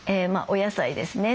お野菜ですね